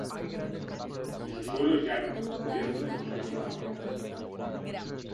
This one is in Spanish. Su suelo es llano, cubierto de bosques y palmeras.